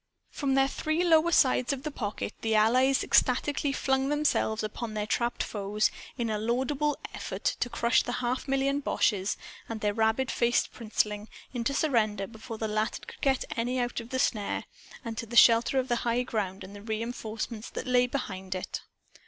From the three lower sides of the pocket, the Allies ecstatically flung themselves upon their trapped foes in a laudable effort to crush the half million boches and their rabbit faced princeling into surrender before the latter could get out of the snare, and to the shelter of the high ground and the reenforcements that lay behind it.